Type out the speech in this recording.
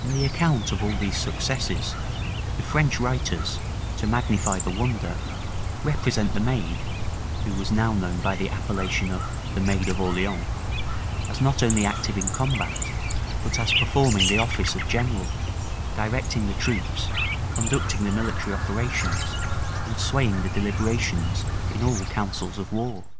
In the account of all these successes, the French writers, to magnify the wonder, represent the maid (who was now known by the appellation of "the Maid of Orleans") as not only active in combat, but as performing the office of general; directing the troops, conducting the military operations, and swaying the deliberations in all councils of war.